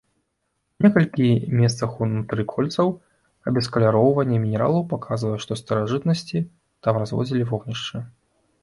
У некалькіх месцах ўнутры кольцаў абескаляроўванне мінералаў паказвае, што ў старажытнасці там разводзілі вогнішчы.